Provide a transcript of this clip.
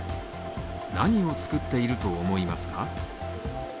何を作っていると思いますか？